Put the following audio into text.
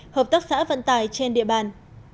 hợp tác xã vận tài trên địa bàn